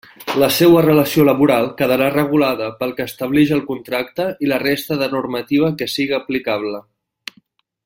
La seua relació laboral quedarà regulada pel que establix el contracte i la resta de normativa que siga aplicable.